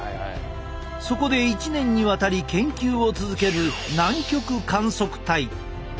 そこで１年にわたり研究を続ける南極観測隊。